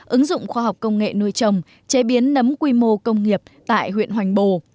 ứng dụng khoa học công nghệ nuôi trồng chế biến nấm quy mô công nghiệp tại huyện hoành bồ